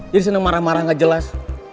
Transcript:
jadi seneng marah marah gak jelas